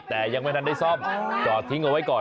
แต่ยังไม่ทันได้ซ่อมจอดทิ้งเอาไว้ก่อน